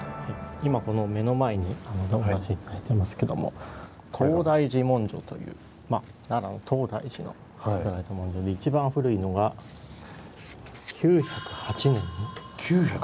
今この目の前に置かせて頂いてますけども東大寺文書という奈良の東大寺の作られた文書で一番古いのが９０８年！？